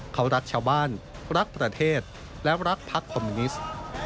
เขารักชาวบ้านรักประเทศและรักพักคอมมิวนิสต์